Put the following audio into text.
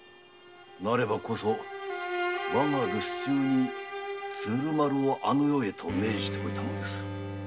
だからわが留守に鶴丸をあの世へと命じておいたのです。